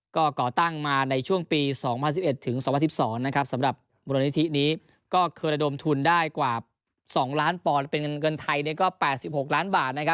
ก็ก่อตั้งมาในช่วงปี๒๐๑๑ถึง๒๐๑๒สำหรับมูลนิธินี้ก็เคยระดมทุนได้กว่า๒ล้านปอนด์เป็นเงินไทยก็๘๖ล้านบาท